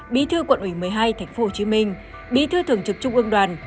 bí thư quận ủy một mươi hai tp hcm bí thư thường trực trung ương đoàn